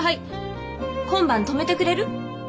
今晩泊めてくれる？